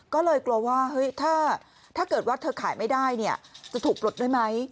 ก็เลยกลัวว่าเฮ้ยถ้าเกิดว่าเธอขายไม่ได้จะถูกปลดด้วยไหม